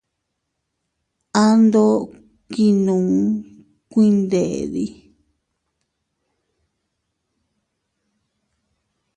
Ando kinnun kuindedi.